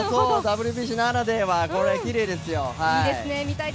ＷＢＣならでは、これ、きれいですよ。